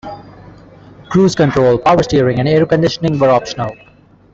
Cruise control, power steering, and air conditioning were optional.